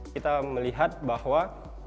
kita melihat bahwa